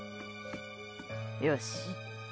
よし。